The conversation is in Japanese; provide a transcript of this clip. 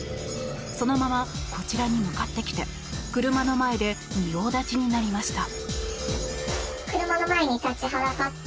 そのままこちらに向かってきて車の前で仁王立ちになりました。